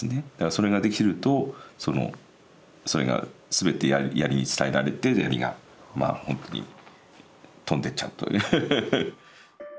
それができるとそのそれが全てやりに伝えられてやりがまあ本当に飛んでっちゃうという。